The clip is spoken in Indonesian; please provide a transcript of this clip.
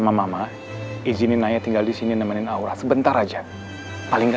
sampai jumpa di video selanjutnya